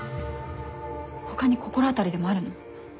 他に心当たりでもあるの？